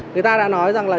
người ta đã nói rằng là